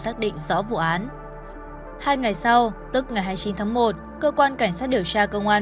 chín tháng một cơ quan cảnh sát điều tra công an